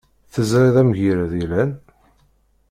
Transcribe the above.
Teẓriḍ amgirred yellan?